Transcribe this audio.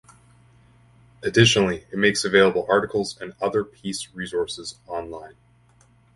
Additionally, it makes available articles and other peace resources online.